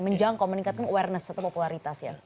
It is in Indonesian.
menjangkau meningkatkan awareness atau popularitas ya